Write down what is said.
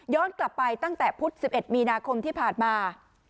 กลับไปตั้งแต่พุธ๑๑มีนาคมที่ผ่านมา